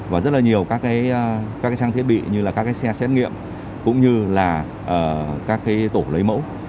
và rất là nhiều các trang thiết bị như là các xe xét nghiệm cũng như là các tổ lấy mẫu